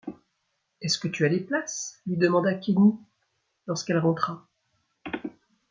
Est-ce que tu as les places ? lui demanda Quenu, lorsqu’elle rentra.